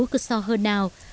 cứ so hơn nào